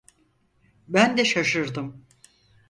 Ben de şaşırdım.